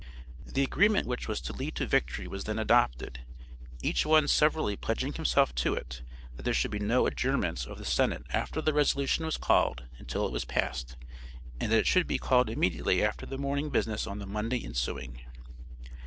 The agreement which was to lead to victory was then adopted, each one severally pledging himself to it that there should be no adjournment of the senate after the resolution was called until it was passed, and that it should be called immediately after the morning business on the Monday ensuing.